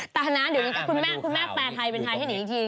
จะประจำกัดคุณแม่แปลไทยเป็นไทยให้หนิงอีกทีได้